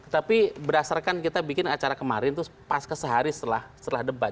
tapi berdasarkan kita bikin acara kemarin itu pas ke sehari setelah debat